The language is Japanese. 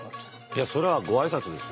いやそれはご挨拶ですよ。